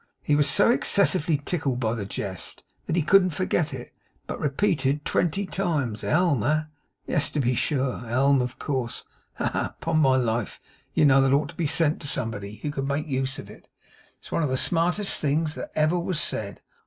He was so excessively tickled by the jest that he couldn't forget it, but repeated twenty times, 'Elm, eh? Yes, to be sure. Elm, of course. Ha, ha, ha! Upon my life, you know, that ought to be sent to somebody who could make use of it. It's one of the smartest things that ever was said.